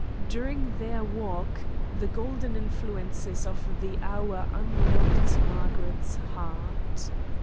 During their walk, the golden influences of the hour unlocked Margaret's heart.